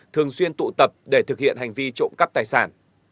thường xuyên tụ tập để thực hiện hành vi trộm cắp tài sản